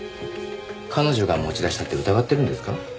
彼女が持ち出したって疑ってるんですか？